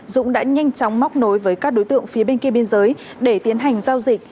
dũng đã nhanh chóng móc nối với các đối tượng phía bên kia biên giới để tiến hành giao dịch